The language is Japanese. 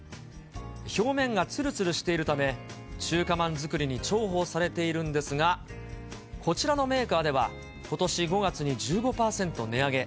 表面がつるつるしているため、中華まん作りに重宝されているんですが、こちらのメーカーでは、ことし５月に１５％値上げ。